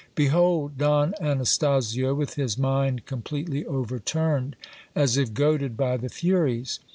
Behold Don Anastasio, with his mind completely overturned ; as if goaded by the furies.